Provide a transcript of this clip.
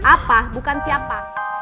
apa bukan siapa